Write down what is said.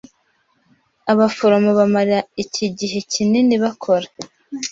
Abaforomo bamara iki igihe kinini bakora?